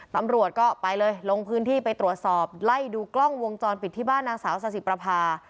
ตำรวจก็ไปเลยลงพื้นที่ไปตรวจสอบไล่ดูกล้องวงจรปิดที่บ้านนางสาวซาสิประพา